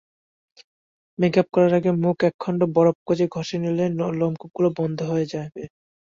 Makeup করার আগে মুখে একখণ্ড বরফকুচি ঘষে নিলে লোপকূপগুলো বন্ধ হয়ে যাবে।